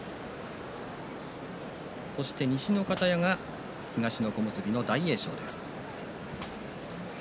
そして西の方屋が東の小結の大栄翔です。